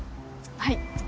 はい。